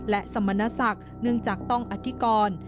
และสมณศักดิ์เนื่องจากต้องอธิกร